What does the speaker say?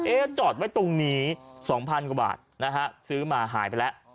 เอ๊ะจอดไว้ตรงนี้สองพันกว่าบาทนะฮะซื้อมาหายไปแล้ว